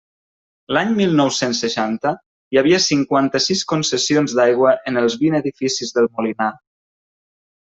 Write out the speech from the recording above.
L'any mil nou-cents seixanta hi havia cinquanta-sis concessions d'aigua en els vint edificis del Molinar.